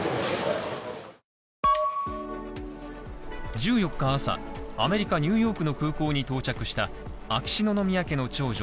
１４日朝、アメリカニューヨークの空港に到着した秋篠宮家の長女